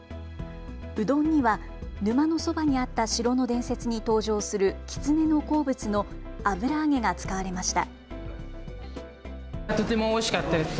うどんには沼のそばにあった城の伝説に登場するきつねの好物の油揚げが使われました。